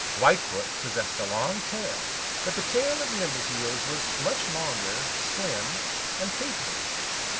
Whitefoot possessed a long tail, but the tail of Nimbleheels was much longer, slim and tapering.